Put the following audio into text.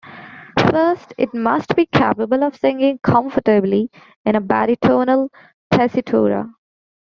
First, it must be capable of singing comfortably in a baritonal tessitura.